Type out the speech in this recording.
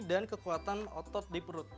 dan kekuatan otot di perut